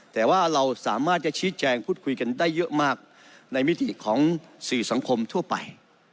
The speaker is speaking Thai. แต่ว่าเราสามารถจะชี้แจงพูดคุยกันได้เยอะมากในมิติของสื่อสังคมทั่วไป